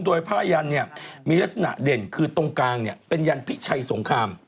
โดยผ้ายันมีลักษณะเด่นคือตรงกลางเป็นยันพิชัยสงคราม